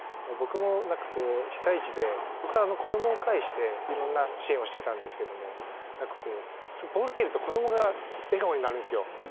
僕も何かこう被災地で僕は子どもを介していろんな支援をしてたんですけども何かこうボールを蹴ると子どもが笑顔になるんですよ。